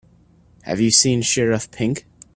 Have you seen Sheriff Pink?